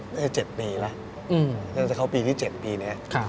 ๗ปีแล้วจนจะเข้าปีที่๗ปีเนี่ย